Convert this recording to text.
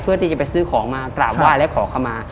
เพื่อที่จะไปซื้อของมากราบไหว้และขอเข้ามา